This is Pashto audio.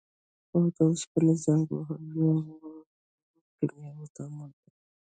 هو د اوسپنې زنګ وهل یو ورو کیمیاوي تعامل دی.